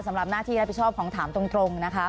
สำหรับหน้าที่รับผิดชอบของถามตรงนะคะ